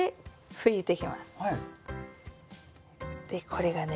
これがね